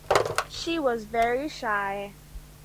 She was very shy.